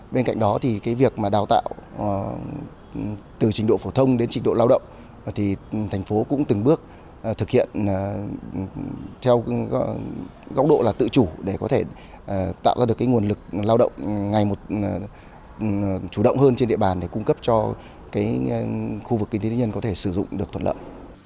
bên cạnh đó thì cái việc mà đào tạo từ trình độ phổ thông đến trình độ lao động thì thành phố cũng từng bước thực hiện theo góc độ là tự chủ để có thể tạo ra được cái nguồn lực lao động ngày một chủ động hơn trên địa bàn để cung cấp cho cái khu vực kinh tế nhân có thể sử dụng được thuận lợi